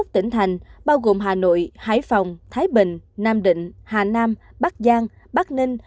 hai mươi một tỉnh thành bao gồm hà nội hải phòng thái bình nam định hà nam bắc giang bắc ninh